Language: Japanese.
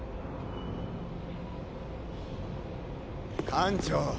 艦長。